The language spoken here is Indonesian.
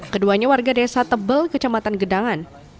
keduanya warga desa tebel kecamatan gedangan